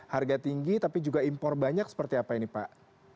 harga tinggi tapi juga impor banyak seperti apa ini pak